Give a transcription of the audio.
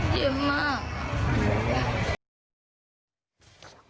เตี๋ยวมาก